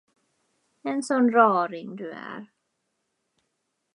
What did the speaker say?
En sådan raring du är!